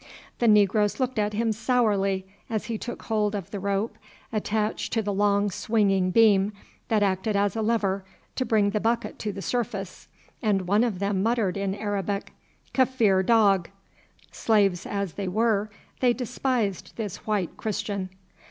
The negroes looked at him sourly as he took hold of the rope attached to the long swinging beam that acted as a lever to bring the bucket to the surface, and one of them muttered in Arabic, "Kaffir dog!" Slaves as they were they despised this white Christian.